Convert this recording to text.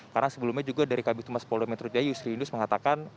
karena sebelumnya juga dari kb tumas polda metro jaya yusri yunus mengatakan